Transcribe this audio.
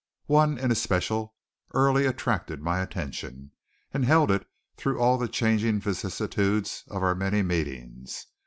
One, in especial, early attracted my attention, and held it through all the changing vicissitudes of our many meetings.